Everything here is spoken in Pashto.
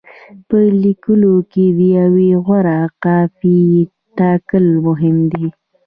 په لیکلو کې د یوې غوره قافیې ټاکل مهم دي.